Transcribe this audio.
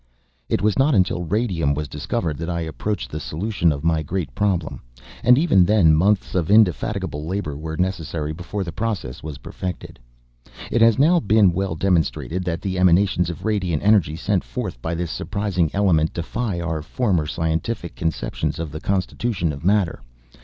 It was not until radium was discovered that I approached the solution of my great problem, and even then months of indefatigable labor were necessary before the process was perfected. It has now been well demonstrated that the emanations of radiant energy sent forth by this surprising element defy our former scientific conceptions of the constitution of matter.